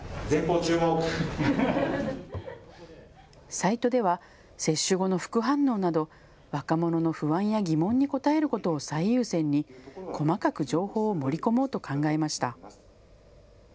サイトでは接種後の副反応など若者の不安や疑問に答えることを最優先に細かく情報を盛り込もうと考えました。